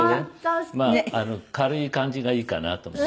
まあ軽い感じがいいかなと思って。